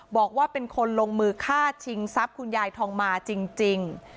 บอกว่าเป็นคนลงมือฆ่าชิงทรัพย์คุณยายทองมาจริง